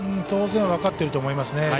当然、分かっていると思いますね。